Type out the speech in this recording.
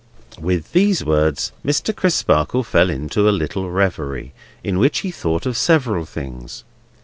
At these words Mr. Crisparkle fell into a little reverie, in which he thought of several things.